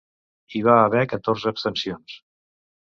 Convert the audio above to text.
Hi va haver catorze abstencions.